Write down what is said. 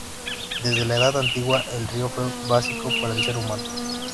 Desde la Edad Antigua, el río fue básico para el ser humano.